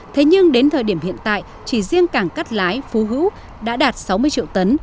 thế nhưng đến thời điểm hiện tại chỉ riêng cảng cắt lái phú hữu đã đạt sáu mươi triệu tấn